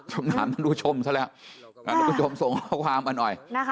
ถ้าถามคุณดูชมแสดงส่งความคุณหน่อย